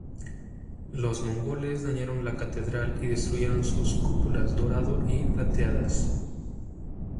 Los mongoles dañaron la catedral y destruyeron sus cúpulas dorado y plateadas.